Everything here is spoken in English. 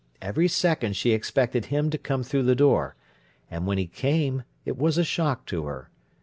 Every second she expected him to come through the door, and when he came it was a shock to her.